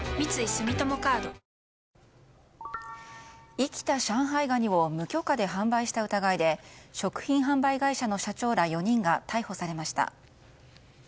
生きた上海ガニを無許可で販売した疑いで食品販売会社の社長ら４人が逮捕されました。